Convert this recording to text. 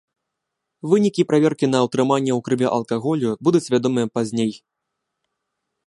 Вынікі праверкі на ўтрыманне ў крыві алкаголю будуць вядомыя пазней.